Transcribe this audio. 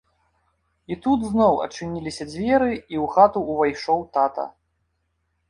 І тут зноў адчыніліся дзверы і ў хату ўвайшоў тата.